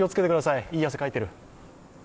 いい汗かいてる。